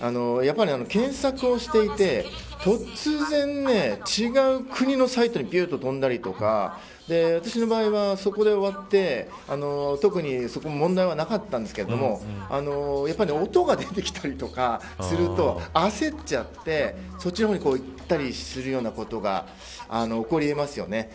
やっぱり、検索をしていて突然、違う国のサイトにびゅっと飛んだりとか私の場合はそこで終わって特に問題はなかったのですがやっぱり音が出てきたりすると焦っちゃって、そっちの方にいったりすることが起こり得ますよね。